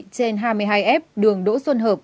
trên hai mươi hai f đường đỗ xuân hợp